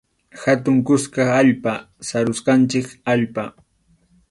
Hatun kuska allpa, sarusqanchik allpa.